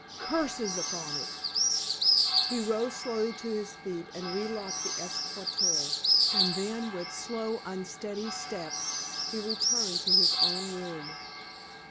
Curses upon it!" He rose slowly to his feet and relocked the escritoire, and then, with slow, unsteady steps, he returned to his own room.